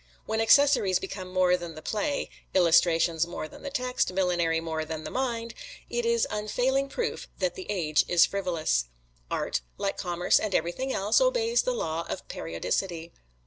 When accessories become more than the play illustrations more than the text millinery more than the mind it is unfailing proof that the age is frivolous. Art, like commerce and everything else, obeys the law of periodicity.